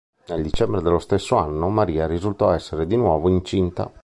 Nel dicembre dello stesso anno Maria risultò essere di nuovo incinta.